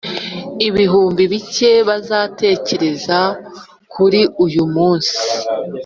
ibihumbi bike bazatekereza kuri uyumunsi